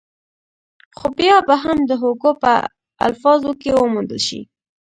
خو بيا به هم د هوګو په الفاظو کې وموندل شي.